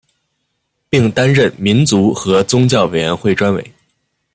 并担任民族和宗教委员会专委。